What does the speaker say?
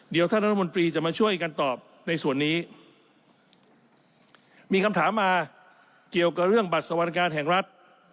เดี๋ยวท่านรัฐมนตรีจะมาช่วยกันตอบในส่วนนี้มีคำถามมาเกี่ยวกับเรื่องบัตรสวัสดิการแห่งรัฐ